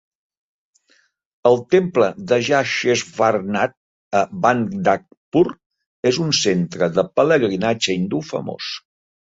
El temple de Jageshwarnath a Bandakpur és un centre de pelegrinatge hindú famós.